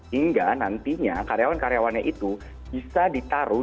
hingga nantinya karyawan karyawannya itu bisa ditaruh di tempat lainnya